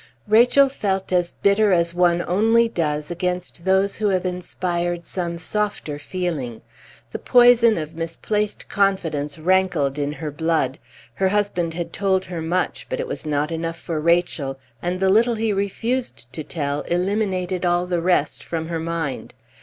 Rachel felt as bitter as one only does against those who have inspired some softer feeling; the poison of misplaced confidence rankled in her blood. Her husband had told her much, but it was not enough for Rachel, and the little he refused to tell eliminated all the rest from her mind.